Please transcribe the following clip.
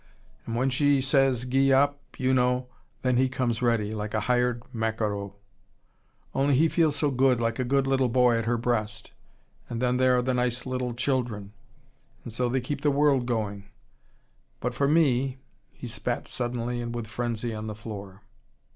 And when she says gee up, you know then he comes ready, like a hired maquereau. Only he feels so good, like a good little boy at her breast. And then there are the nice little children. And so they keep the world going. But for me " he spat suddenly and with frenzy on the floor.